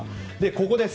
ここです。